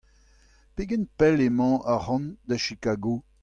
Pegen pell emañ ac'hann da Chicago ?